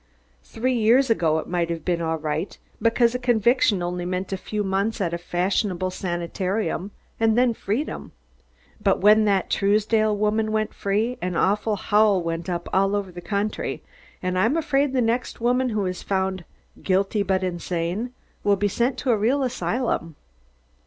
Three years ago it might have been all right, because a conviction only meant a few months at a fashionable sanitarium, and then freedom. But when that Truesdale woman went free, an awful howl went up all over the country and I'm afraid the next woman who is found, 'guilty but insane,' will be sent to a real asylum."